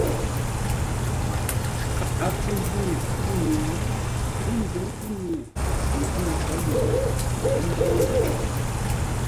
A kə̂ nzúŋ kúnye, ə́ nzǔŋ kúnye tə nkə́u có yʉʼ, ə́ njwó ndə̂ cǒ.